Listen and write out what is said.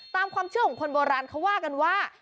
ตามความเชื่อของคนโบราณเขาว่ากันว่า